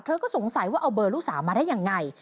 เธอก็สงสัยว่าเอาเบอร์ลูกสาวมาได้ยังไง